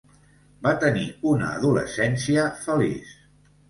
Va tenir una adolescència feliç.